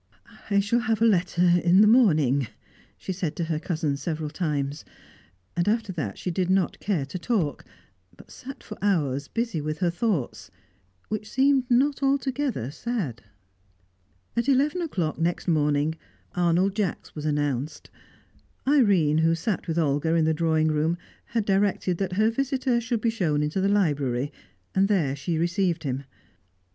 "I shall have a letter in the morning," she said to her cousin, several times; and after that she did not care to talk, but sat for hours busy with her thoughts, which seemed not altogether sad. At eleven o'clock next morning, Arnold Jacks was announced. Irene, who sat with Olga in the drawing room, had directed that her visitor should be shown into the library, and there she received him.